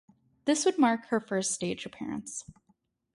This would mark her first stage appearance.